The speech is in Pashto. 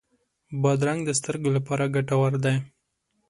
بادرنګ د سترګو لپاره ګټور دی.